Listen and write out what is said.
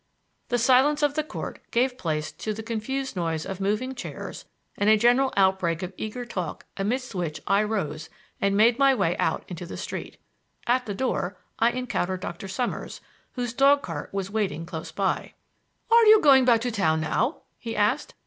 The silence of the Court gave place to the confused noise of moving chairs and a general outbreak of eager talk amidst which I rose and made my way out into the street. At the door I encountered Dr. Summers, whose dog cart was waiting close by. "Are you going back to town now?" he asked.